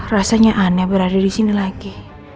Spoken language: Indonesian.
rasanya aneh berada di sini lagi